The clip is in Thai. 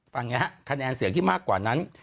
ตรงเนี่ยคะคะแนนเสียงที่มากกว่านั้น